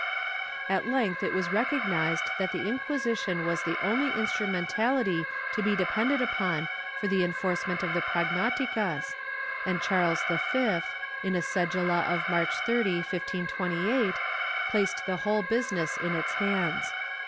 ^ At length it was recognized that the Inquisition was the only instrumentality to be depended upon for the enforcement of the pragmaticas and Charles V, in a cedula of March 30, 1528, placed the whole business in its hands.